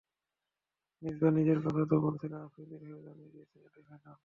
মিসবাহ নিজের কথা তো বলেছেনই, আফ্রিদির হয়েও জানিয়ে দিয়েছেন, এটাই ফাইনাল।